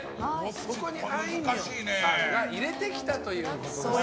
ここに、あいみょんさんが入れてきたということですから。